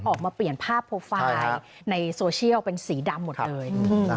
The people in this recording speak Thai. ออกมาเปลี่ยนภาพโปรไฟล์ในโซเชียลเป็นสีดำหมดเลย